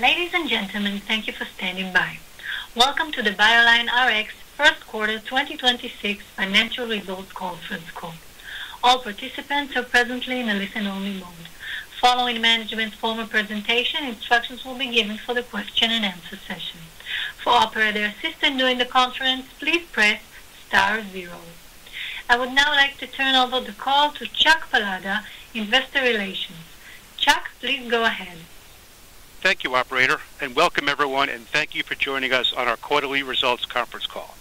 Ladies and gentlemen, thank you for standing by. Welcome to the BioLineRx First Quarter 2026 Financial Results conference call. All participants are presently in a listen-only mode. Following management's formal presentation, instructions will be given for the question and answer session. For operator assistance during the conference, please press star zero. I would now like to turn over the call to Chuck Padala, Investor Relations. Chuck, please go ahead. Thank you, operator, and welcome everyone, and thank you for joining us on our quarterly results conference call.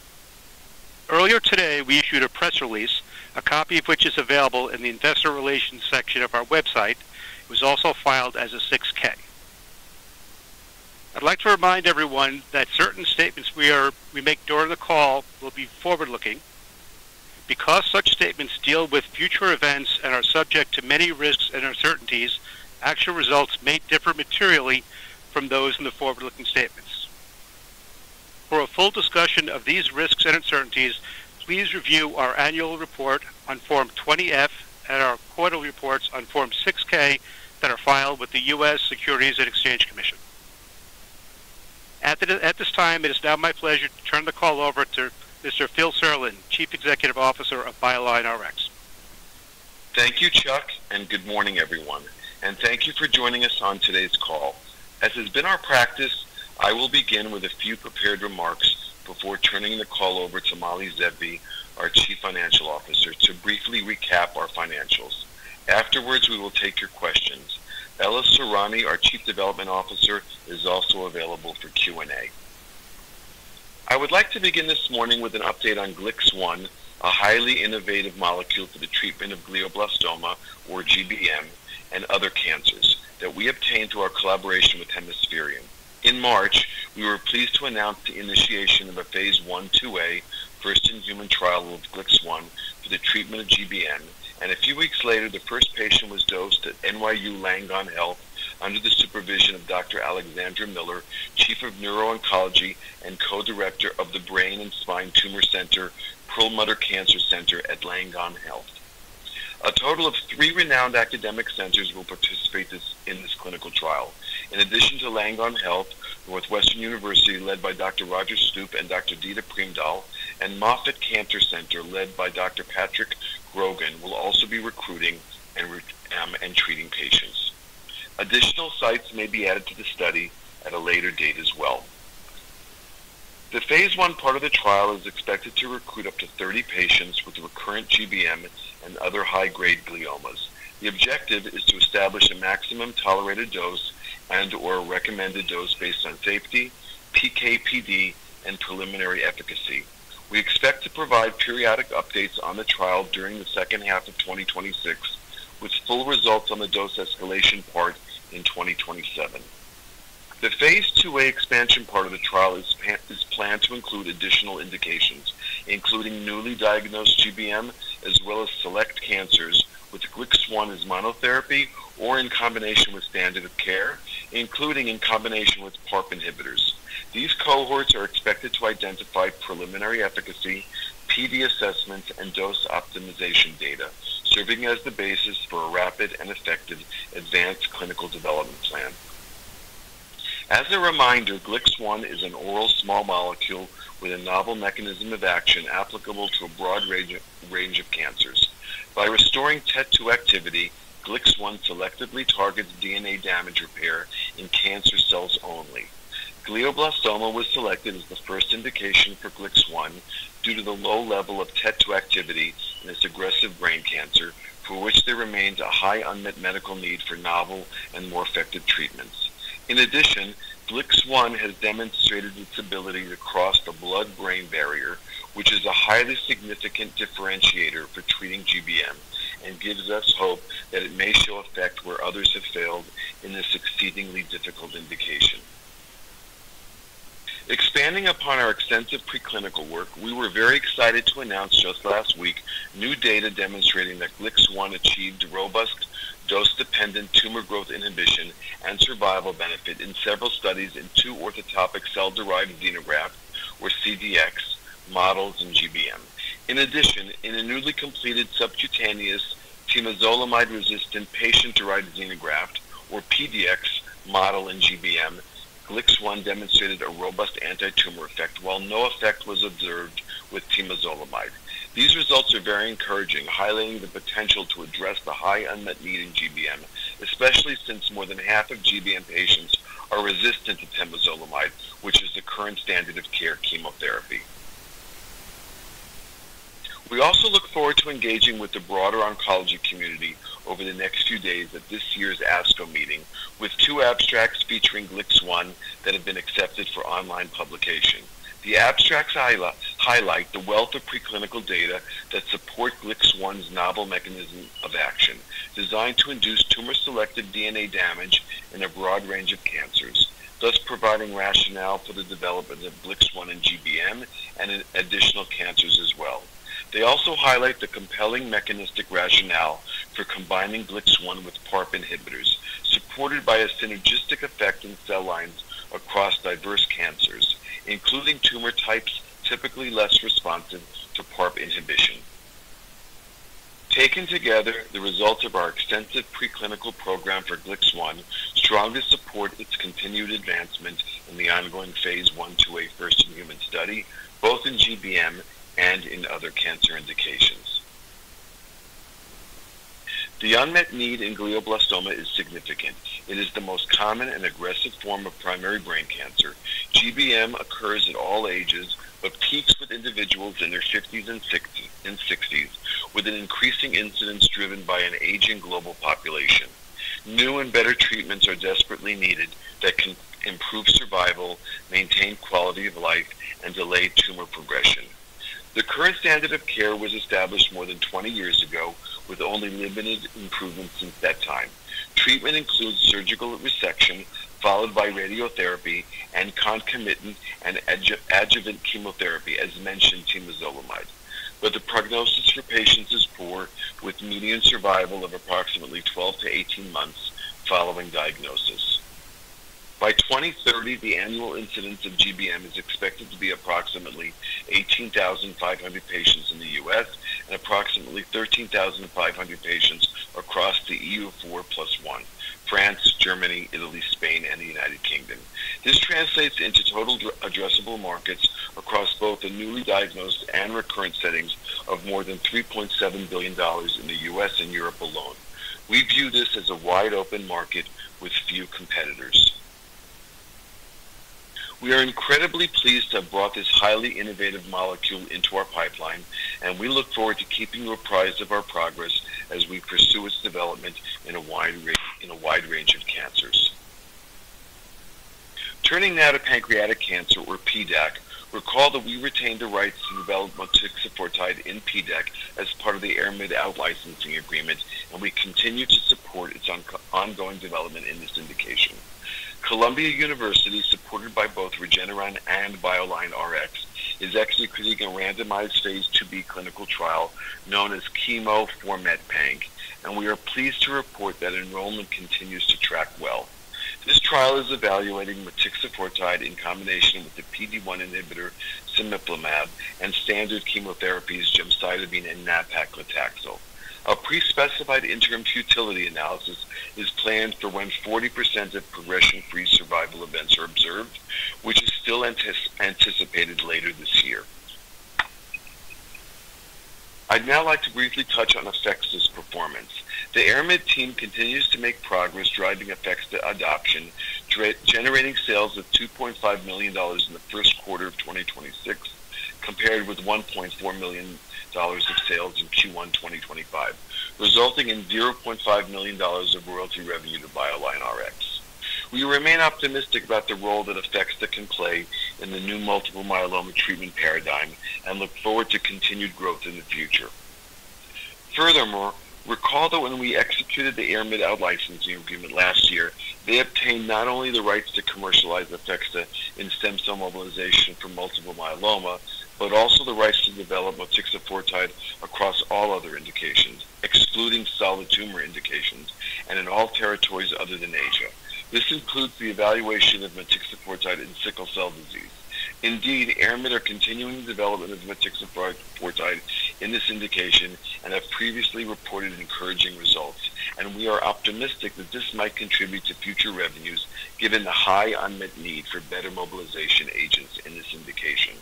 Earlier today, we issued a press release, a copy of which is available in the investor relations section of our website. It was also filed as a 6-K. I'd like to remind everyone that certain statements we make during the call will be forward-looking. Because such statements deal with future events and are subject to many risks and uncertainties, actual results may differ materially from those in the forward-looking statements. For a full discussion of these risks and uncertainties, please review our annual report on Form 20-F and our quarterly reports on Form 6-K that are filed with the U.S. Securities and Exchange Commission. At this time, it is now my pleasure to turn the call over to Mr. Phil Serlin, Chief Executive Officer of BioLineRx. Thank you, Chuck Padala. Good morning, everyone. Thank you for joining us on today's call. As has been our practice, I will begin with a few prepared remarks before turning the call over to Mali Zeevi, our Chief Financial Officer, to briefly recap our financials. Afterwards, we will take your questions. Ella Sorani, our Chief Development Officer, is also available for Q&A. I would like to begin this morning with an update on GLIX1, a highly innovative molecule for the treatment of glioblastoma, or GBM, and other cancers that we obtained through our collaboration with Hemispherian. In March, we were pleased to announce the initiation of a phase I/IIa first-in-human trial of GLIX1 for the treatment of GBM, and a few weeks later, the first patient was dosed at NYU Langone Health under the supervision of Dr. Alexandra Miller, Chief of Neuro-Oncology and Co-Director of the Brain and Spine Tumor Center, Perlmutter Cancer Center at Langone Health. A total of three renowned academic centers will participate in this clinical trial. In addition to Langone Health, Northwestern University, led by Dr. Roger Stupp and Dr. Ditte Primdahl, and Moffitt Cancer Center, led by Dr. Patrick Grogan, will also be recruiting and treating patients. Additional sites may be added to the study at a later date as well. The phase I part of the trial is expected to recruit up to 30 patients with recurrent GBM and other high-grade gliomas. The objective is to establish a maximum tolerated dose and/or recommended dose based on safety, PK/PD, and preliminary efficacy. We expect to provide periodic updates on the trial during the second half of 2026, with full results on the dose escalation part in 2027. The phase II-A expansion part of the trial is planned to include additional indications, including newly diagnosed GBM as well as select cancers with GLIX1 as monotherapy or in combination with standard of care, including in combination with PARP inhibitors. These cohorts are expected to identify preliminary efficacy, PD assessments, and dose optimization data, serving as the basis for a rapid and effective advanced clinical development plan. As a reminder, GLIX1 is an oral small molecule with a novel mechanism of action applicable to a broad range of cancers. By restoring TET2 activity, GLIX1 selectively targets DNA damage repair in cancer cells only. Glioblastoma was selected as the first indication for GLIX1 due to the low level of TET2 activity in this aggressive brain cancer, for which there remains a high unmet medical need for novel and more effective treatments. GLIX1 has demonstrated its ability to cross the blood-brain barrier, which is a highly significant differentiator for treating GBM and gives us hope that it may show effect where others have failed in this exceedingly difficult indication. Expanding upon our extensive preclinical work, we were very excited to announce just last week new data demonstrating that GLIX1 achieved robust dose-dependent tumor growth inhibition and survival benefit in several studies in two orthotopic cell-derived xenograft, or CDX, models in GBM. In a newly completed subcutaneous temozolomide-resistant patient-derived xenograft, or PDX, model in GBM, GLIX1 demonstrated a robust anti-tumor effect, while no effect was observed with temozolomide. These results are very encouraging, highlighting the potential to address the high unmet need in GBM, especially since more than half of GBM patients are resistant to temozolomide, which is the current standard of care chemotherapy. We also look forward to engaging with the broader oncology community over the next few days at this year's ASCO meeting, with two abstracts featuring GLIX1 that have been accepted for online publication. The abstracts highlight the wealth of preclinical data that support GLIX1's novel mechanism of action, designed to induce tumor-selective DNA damage in a broad range of cancers, thus providing rationale for the development of GLIX1 in GBM and in additional cancers as well. They also highlight the compelling mechanistic rationale for combining GLIX1 with PARP inhibitors, supported by a synergistic effect in cell lines across diverse cancers, including tumor types typically less responsive to PARP inhibition. Taken together, the results of our extensive preclinical program for GLIX1 strongly support its continued advancement in the ongoing phase I/II-A first-in-human study, both in GBM and in other cancer indications. The unmet need in glioblastoma is significant. It is the most common and aggressive form of primary brain cancer. GBM occurs at all ages, but peaks with individuals in their 50s and 60s, with an increasing incidence driven by an aging global population. New and better treatments are desperately needed that can improve survival, maintain quality of life, and delay tumor progression. The current standard of care was established more than 20 years ago, with only limited improvements since that time. Treatment includes surgical resection followed by radiotherapy and concomitant and adjuvant chemotherapy, as-mentioned temozolomide. The prognosis for patients is poor, with median survival of approximately 12 to 18 months following diagnosis. By 2030, the annual incidence of GBM is expected to be approximately 18,500 patients in the U.S. and approximately 13,500 patients across the EU4+1: France, Germany, Italy, Spain, and the United Kingdom. This translates into total addressable markets across both the newly diagnosed and recurrent settings of more than $3.7 billion in the U.S. and Europe alone. We view this as a wide-open market with few competitors. We are incredibly pleased to have brought this highly innovative molecule into our pipeline, and we look forward to keeping you apprised of our progress as we pursue its development in a wide range of cancers. Turning now to pancreatic cancer or PDAC. Recall that we retained the rights to develop motixafortide in PDAC as part of the Ayrmid out-licensing agreement, and we continue to support its ongoing development in this indication. Columbia University, supported by both Regeneron and BioLineRx, is executing a randomized phase II-B clinical trial known as CheMo4METPANC, and we are pleased to report that enrollment continues to track well. This trial is evaluating motixafortide in combination with the PD-1 inhibitor cemiplimab and standard chemotherapies gemcitabine and nab-paclitaxel. A pre-specified interim futility analysis is planned for when 40% of progression-free survival events are observed, which is still anticipated later this year. I'd now like to briefly touch on APHEXDA's performance. The Ayrmid team continues to make progress driving APHEXDA adoption, generating sales of $2.5 million in the first quarter of 2026, compared with $1.4 million of sales in Q1 2025, resulting in $0.5 million of royalty revenue to BioLineRx. We remain optimistic about the role that APHEXDA can play in the new multiple myeloma treatment paradigm and look forward to continued growth in the future. Furthermore, recall that when we executed the Ayrmid out-licensing agreement last year, they obtained not only the rights to commercialize APHEXDA in stem cell mobilization for multiple myeloma, but also the rights to develop motixafortide across all other indications, excluding solid tumor indications and in all territories other than Asia. This includes the evaluation of motixafortide in sickle cell disease. Indeed, Ayrmid are continuing the development of motixafortide in this indication and have previously reported encouraging results, and we are optimistic that this might contribute to future revenues given the high unmet need for better mobilization agents in this indication.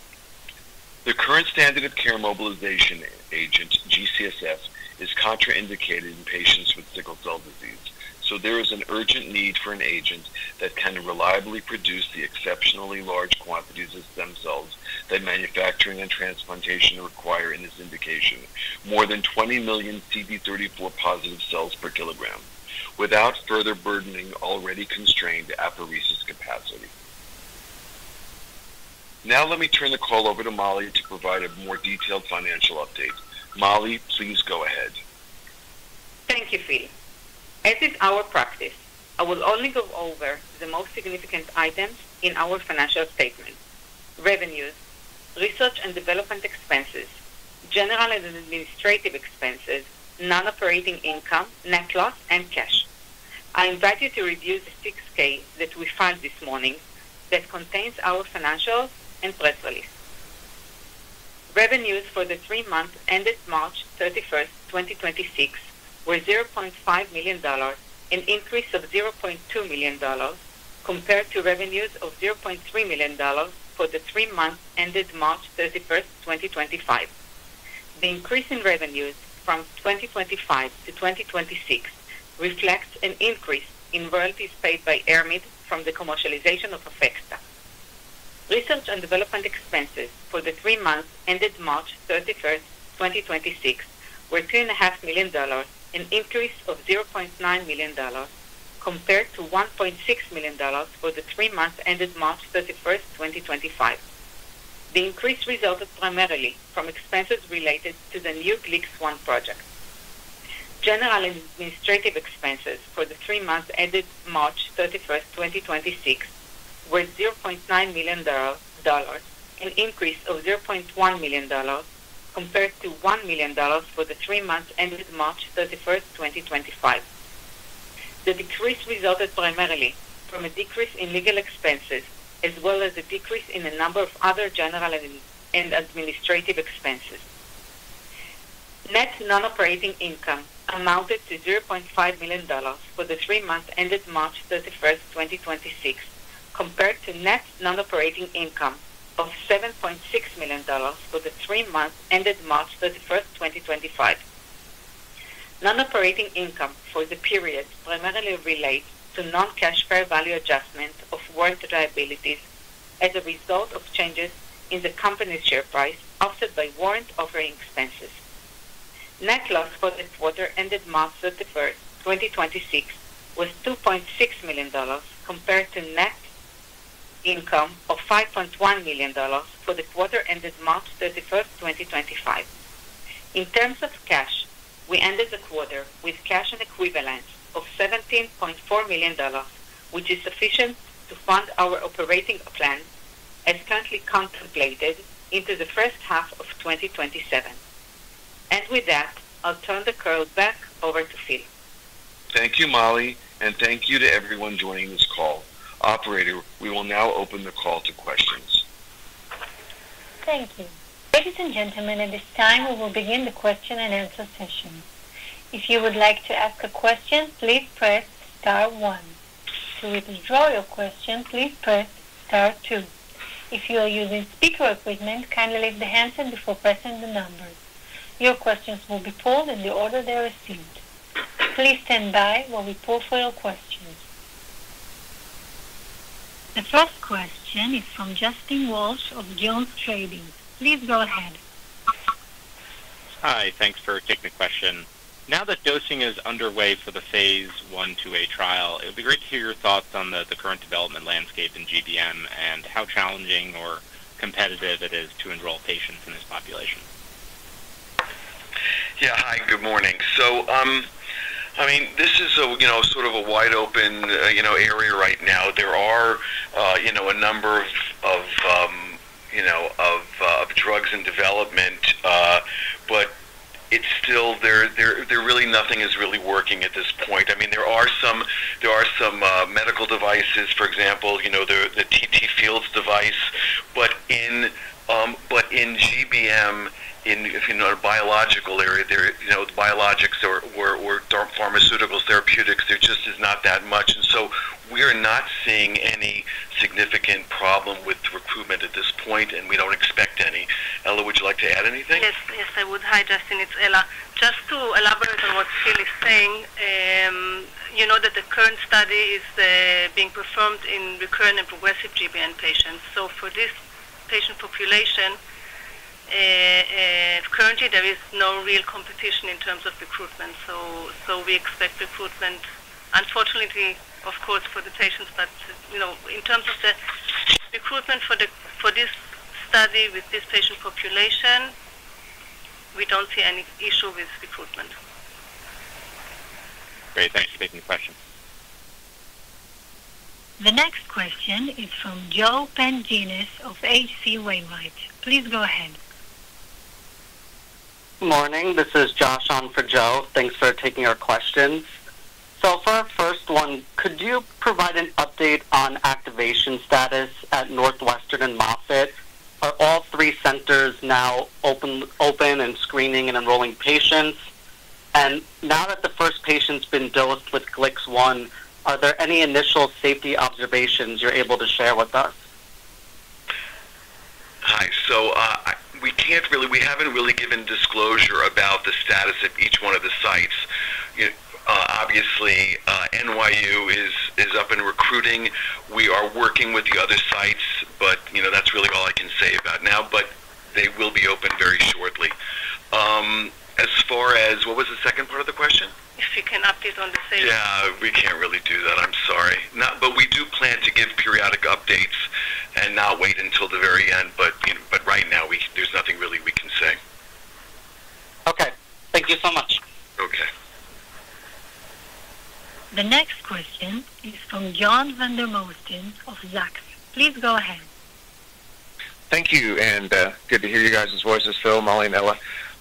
The current standard of care mobilization agent, G-CSF, is contraindicated in patients with sickle cell disease, so there is an urgent need for an agent that can reliably produce the exceptionally large quantities of stem cells that manufacturing and transplantation require in this indication. More than 20 million CD34 positive cells per kilogram without further burdening already constrained apheresis capacity. Let me turn the call over to Mali to provide a more detailed financial update. Mali, please go ahead. Thank you, Phil. As is our practice, I will only go over the most significant items in our financial statement. Revenues, research and development expenses, general and administrative expenses, non-operating income, net loss, and cash. I invite you to review the 6-K that we filed this morning that contains our financials and press release. Revenues for the three months ended March 31st, 2026, were $0.5 million, an increase of $0.2 million, compared to revenues of $0.3 million for the three months ended March 31st, 2025. The increase in revenues from 2025 to 2026 reflects an increase in royalties paid by Ayrmid from the commercialization of APHEXDA. Research and development expenses for the three months ended March 31st, 2026, were $2.5 million, an increase of $0.9 million, compared to $1.6 million for the three months ended March 31st, 2025. The increase resulted primarily from expenses related to the new GLIX1 project. General and administrative expenses for the three months ended March 31st, 2026, were $0.9 million, an increase of $0.1 million, compared to $1 million for the three months ended March 31st, 2025. The decrease resulted primarily from a decrease in legal expenses as well as a decrease in the number of other general and administrative expenses. Net non-operating income amounted to $0.5 million for the three months ended March 31st, 2026, compared to net non-operating income of $7.6 million for the three months ended March 31st, 2025. Non-operating income for the period primarily relates to non-cash fair value adjustment of warrant liabilities as a result of changes in the company's share price, offset by warrant offering expenses. Net loss for the quarter ended March 31st, 2026, was $2.6 million compared to net income of $5.1 million for the quarter ended March 31st, 2025. In terms of cash, we ended the quarter with cash and equivalents of $17.4 million, which is sufficient to fund our operating plan as currently contemplated into the first half of 2027. With that, I'll turn the call back over to Phil. Thank you, Mali, and thank you to everyone joining this call. Operator, we will now open the call to questions. Thank you. The first question is from Justin Walsh of JonesTrading. Please go ahead. Hi. Thanks for taking the question. Now that dosing is underway for the phase I-IIA trial, it would be great to hear your thoughts on the current development landscape in GBM and how challenging or competitive it is to enroll patients in this population. Yeah. Hi, good morning. This is sort of a wide open area right now. There are a number of drugs in development, but it's still there really nothing is really working at this point. There are some medical devices, for example, the TTFields device, but in GBM, in our biological area, the biologics or pharmaceuticals therapeutics, there just is not that much. We are not seeing any significant problem with recruitment at this point, and we don't expect any. Ella, would you like to add anything? Yes, I would. Hi, Justin, it's Ella. Just to elaborate on what Phil is saying, you know that the current study is being performed in recurrent and progressive GBM patients. For this patient population, currently there is no real competition in terms of recruitment. We expect recruitment, unfortunately of course for the patients, but in terms of the recruitment for this study with this patient population, we don't see any issue with recruitment. Great. Thanks for taking the question. The next question is from Joe Pantginis of H.C. Wainwright. Please go ahead. Morning. This is Josh on for Joe. Thanks for taking our questions. For our first one, could you provide an update on activation status at Northwestern and Moffitt? Are all three centers now open and screening and enrolling patients? Now that the first patient's been dosed with GLIX1, are there any initial safety observations you're able to share with us? Hi. We haven't really given disclosure about the status of each one of the sites. Obviously, NYU is up and recruiting. We are working with the other sites, but that's really all I can say about now, but they will be open very shortly. As far as, what was the second part of the question? If you can update on the sales. Yeah, we can't really do that, I'm sorry. We do plan to give periodic updates and not wait until the very end, but right now there's nothing really we can say. Okay. Thank you so much. Okay. The next question is from John Vandermosten of Zacks. Please go ahead. Thank you, and good to hear you guys' voices, Phil, Mali, and Ella.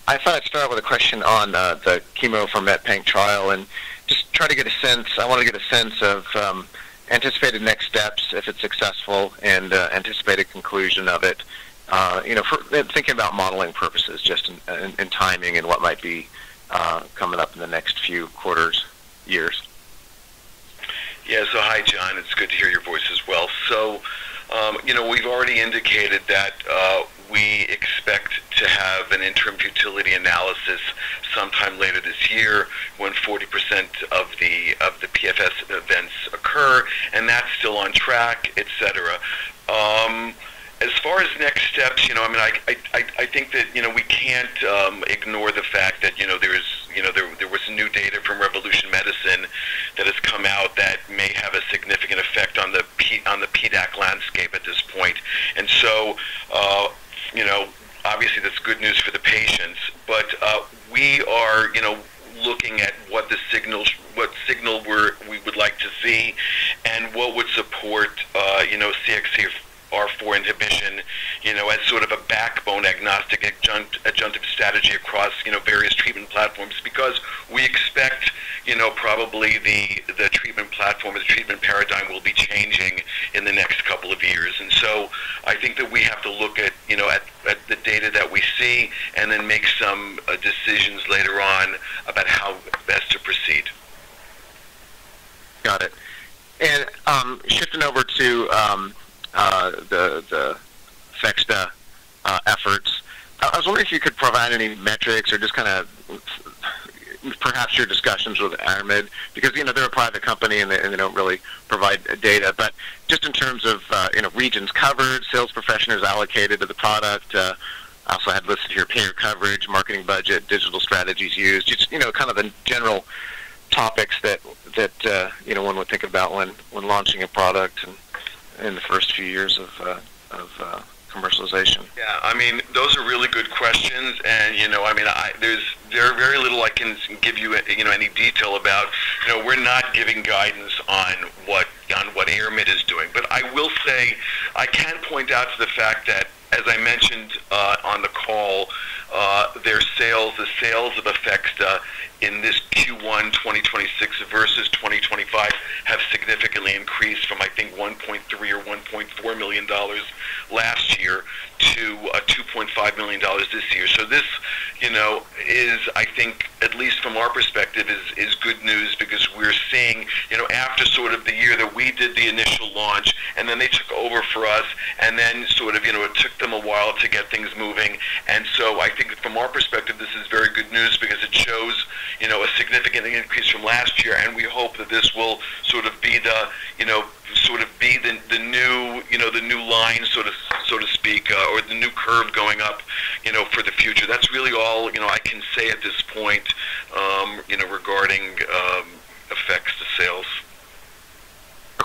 I thought I'd start with a question on the CheMo4METPANC trial and just try to get a sense. I want to get a sense of anticipated next steps if it's successful and anticipated conclusion of it. Thinking about modeling purposes just in timing and what might be coming up in the next few quarters, years. Yeah. Hi, John. It's good to hear your voice as well. We've already indicated that we expect to have an interim futility analysis sometime later this year when 40% of the PFS events occur, and that's still on track, et cetera. As far as next steps, I think that we can't ignore the fact that there was new data from Revolution Medicines that has come out that may have a significant effect on the PDAC landscape at this point. Obviously that's good news for the patients, but we are looking at what signal we would like to see and what would support CXCR4 inhibition as sort of a backbone agnostic adjunctive strategy across platforms because we expect probably the treatment platform or the treatment paradigm will be changing in the next couple of years. I think that we have to look at the data that we see and then make some decisions later on about how best to proceed. Got it. Shifting over to the APHEXDA efforts. I was wondering if you could provide any metrics or just perhaps your discussions with Ayrmid, because they're a private company and they don't really provide data. Just in terms of regions covered, sales professionals allocated to the product, I also had listed here payer coverage, marketing budget, digital strategies used, just kind of the general topics that one would think about when launching a product and in the first few years of commercialization. Yeah. Those are really good questions. There is very little I can give you any detail about. We're not giving guidance on what Ayrmid is doing. I will say, I can point out to the fact that, as I mentioned on the call, their sales, the sales of APHEXDA in this Q1 2026 versus 2025 have significantly increased from I think $1.3 million or $1.4 million last year to $2.5 million this year. This is, I think, at least from our perspective, is good news because we're seeing after sort of the year that we did the initial launch, and then they took over for us, and then it took them a while to get things moving. I think from our perspective, this is very good news because it shows a significant increase from last year, and we hope that this will sort of be the new line so to speak, or the new curve going up for the future. That's really all I can say at this point regarding APHEXDA sales.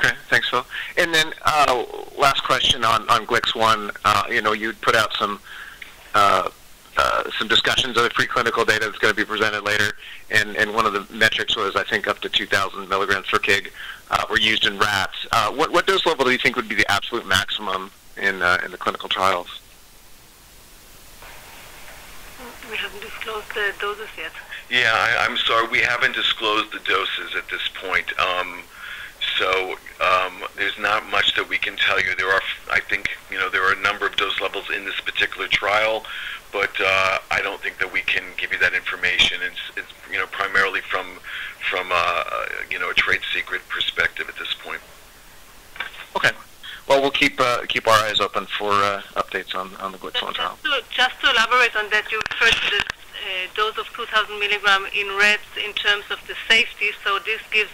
Okay. Thanks, Phil. Last question on GLIX1. You'd put out some discussions of the preclinical data that's going to be presented later, and one of the metrics was, I think, up to 2,000 mg/kg were used in rats. What dose level do you think would be the absolute maximum in the clinical trials? We haven't disclosed the doses yet. Yeah. I'm sorry. We haven't disclosed the doses at this point. There's not much that we can tell you. I think there are a number of dose levels in this particular trial, I don't think that we can give you that information. It's primarily from a trade secret perspective at this point. Okay. Well, we'll keep our eyes open for updates on the GLIX1 trial. Just to elaborate on that, you referred to the dose of 2,000 milligrams in rats in terms of the safety. This gives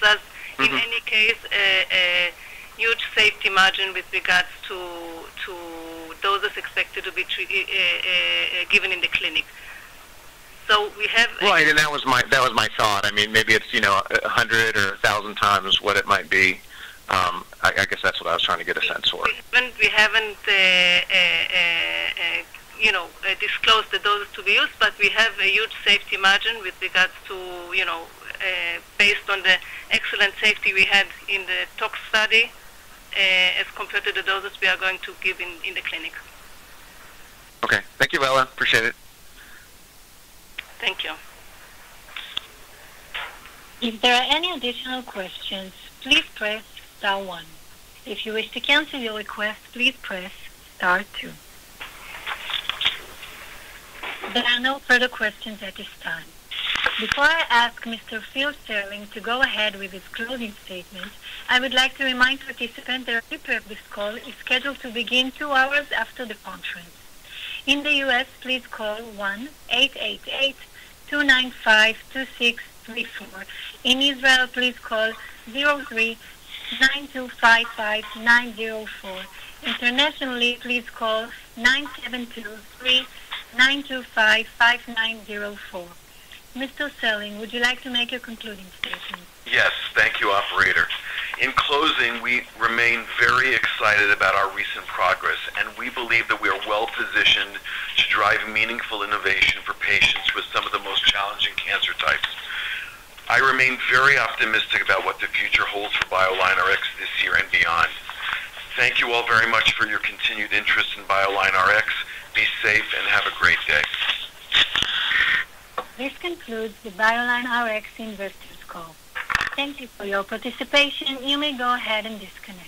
us- in any case, a huge safety margin with regards to doses expected to be given in the clinic. Right. That was my thought. Maybe it's 100 or 1,000 times what it might be. I guess that's what I was trying to get a sense for. We haven't disclosed the doses to be used, but we have a huge safety margin with regards to based on the excellent safety we had in the tox study, as compared to the doses we are going to give in the clinic. Okay. Thank you, Ella. Appreciate it. Thank you. Before I ask Mr. Phil Serlin to go ahead with his closing statement, I would like to remind participants that a replay of this call is scheduled to begin two hours after the conference. In the U.S., please call 1-888-295-2634. In Israel, please call 03-925-5904. Internationally, please call 972-3-925-5904. Mr. Serlin, would you like to make your concluding statement? Yes. Thank you, operator. In closing, we remain very excited about our recent progress, and we believe that we are well-positioned to drive meaningful innovation for patients with some of the most challenging cancer types. I remain very optimistic about what the future holds for BioLineRx this year and beyond. Thank you all very much for your continued interest in BioLineRx. Be safe and have a great day. This concludes the BioLineRx investors call. Thank you for your participation. You may go ahead and disconnect.